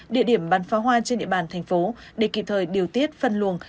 địa điểm bắn phá hoa trên địa bàn thành phố để kịp thời điều tiết phân luồng